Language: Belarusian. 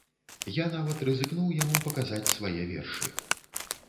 Я нават рызыкнуў яму паказаць свае вершы.